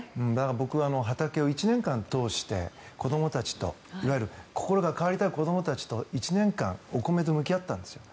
僕、畑を１年間通して子どもたちといわゆる心が変わりたい子どもたちと１年間お米と向き合ったんです。